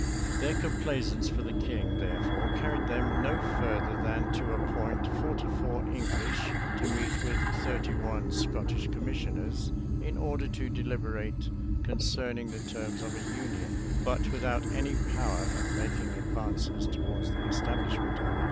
Their complaisance for the king, therefore, carried them no further than to appoint forty four English to meet with thirty one Scottish commissioners, in order to deliberate concerning the terms of a union; but without any power of making advances towards the establishment of it.